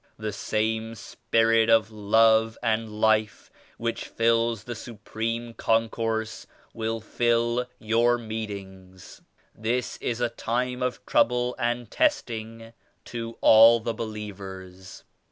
The same Spirit of Love and Life which fills the Supreme Concourse will fill your meetings. This is a time of trouble and testing to all the believers."